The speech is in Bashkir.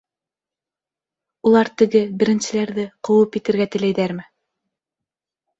Улар теге, беренселәрҙе, ҡыуып етергә теләйҙәрме?